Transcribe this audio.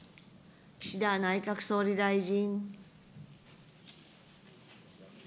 岸田内閣総理大臣。